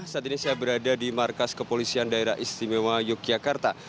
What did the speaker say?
saat ini saya berada di markas kepolisian daerah istimewa yogyakarta